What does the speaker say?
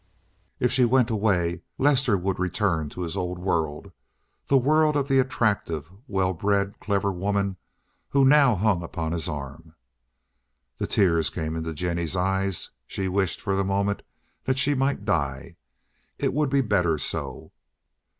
If she went away Lester would return to his old world, the world of the attractive, well bred, clever woman who now hung upon his arm. The tears came into Jennie's eyes; she wished, for the moment, that she might die. It would be better so.